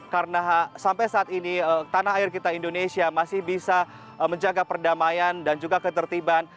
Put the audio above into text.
karena sampai saat ini tanah air kita indonesia masih bisa menjaga perdamaian dan juga ketertiban